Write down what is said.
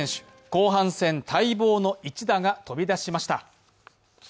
後半戦待望の一打が飛び出しました。